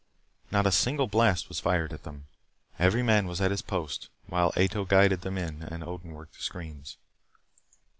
Not a single blast was fired at them. Every man was at his post, while Ato guided them in, and Odin worked the screens.